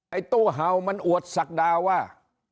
ตู้เห่ามันอวดศักดาว่า